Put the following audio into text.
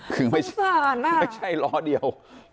ค่ะสงสารน่ะคือไม่ใช่ล้อเดียว